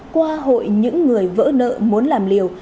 qua hội những người vỡ nợ muốn làm liều